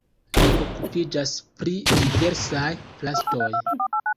Li okupiĝas pri diversaj plastoj.